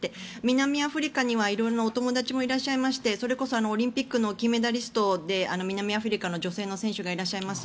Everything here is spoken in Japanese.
南アフリカには色々な友達もいらっしゃいましてそれこそオリンピックの金メダリストで南アフリカの女性の選手がいらっしゃいます。